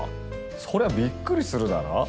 そりゃびっくりするだろ？